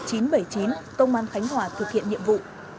công an khánh hòa thực hiện nhiệm vụ